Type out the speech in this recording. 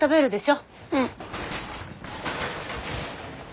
うん。